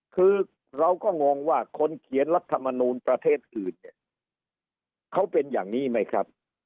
คือเราก็งงว่าคนเขียนรัฐมนูลประเทศอื่นเนี่ยเขาเป็นอย่างนี้ไหมครับ